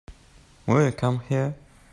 Will you come here?